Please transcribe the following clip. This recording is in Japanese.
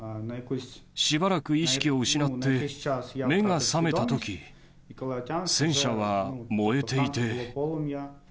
しばらく意識を失って、目が覚めたとき、戦車は燃えていて。